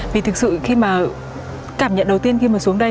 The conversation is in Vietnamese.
vì thực sự khi mà cảm nhận đầu tiên khi mà xuống đây